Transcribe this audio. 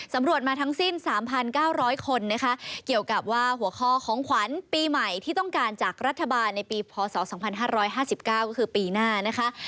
ตำรวจมาทั้งสิ้น๓๙๐๐คนนะคะเกี่ยวกับว่าหัวข้อของขวัญปีใหม่ที่ต้องการจากรัฐบาลในปีพศ๒๕๕๙ก็คือปีหน้านะคะ